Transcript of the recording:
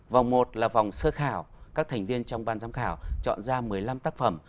vòng một là vòng sơ khảo các thành viên trong ban giám khảo chọn ra một mươi năm tác phẩm